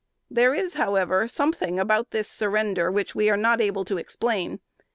There is, however, something about this surrender which we are not able to explain.